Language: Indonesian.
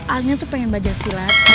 alina tuh pengen belajar silat